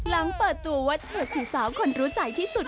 หลังเปิดตัวว่าเธอคือสาวคนรู้ใจที่สุด